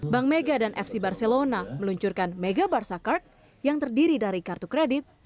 bank mega dan fc barcelona meluncurkan mega barca kart yang terdiri dari kartu kredit